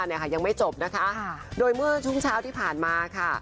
เนี่ยค่ะยังไม่จบนะคะโดยเมื่อช่วงเช้าที่ผ่านมาค่ะ